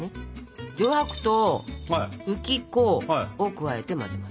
上白糖浮き粉を加えて混ぜます。